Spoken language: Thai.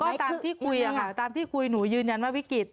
ก็ตามที่คุยค่ะตามที่คุยหนูยืนยันว่าวิกฤต